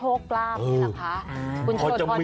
โอเคโอเคโอเค